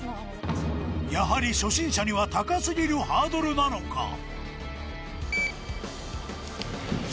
やはり初心者には高すぎるハードルなのか？